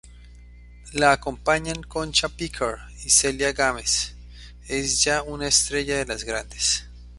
La acompañan Concha Piquer y Celia Gámez: es ya una estrella de las grandes.